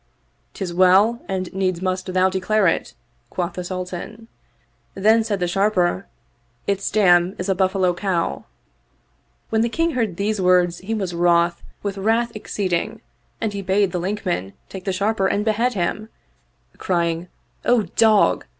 " Tis well, and needs must thou declare it," quoth the Sultan. Then said the Sharper, " Its dam is a buffalo cow." When the King heard these words he was vn oth with wrath exceeding and he bade the Linkman take the Sharper and behead him, crying, "O dog!